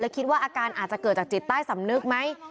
คิดว่าอาการอาจจะเกิดจากจิตใต้สำนึกไหม